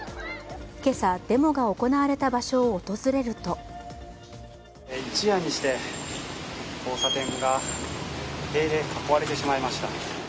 今朝、デモが行われた場所を訪れると一夜にして交差点が塀で囲われてしまいました。